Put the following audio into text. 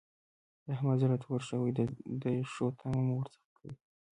د احمد زړه تور شوی دی؛ د ښو تمه مه ور څځه کوئ.